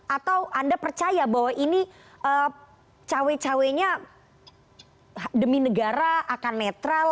atau anda percaya bahwa ini cawe cawenya demi negara akan netral